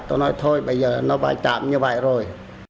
tôi nói thôi bây giờ nó vai trán như vậy rồi